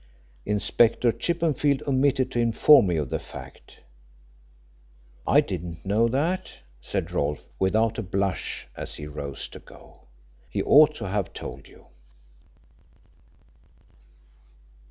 Inspector Chippenfield omitted to inform me of the fact." "I didn't know that," said Rolfe, without a blush, as he rose to go. "He ought to have told you."